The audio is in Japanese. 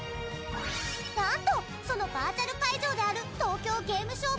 何と、そのバーチャル会場である東京ゲームショウ